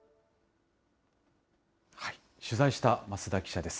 取材した増田記者です。